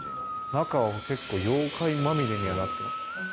中は結構妖怪まみれにはなってます。